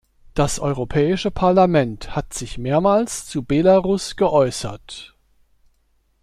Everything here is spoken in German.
Das Europäische Parlament hat sich mehrmals zu Belarus geäußert.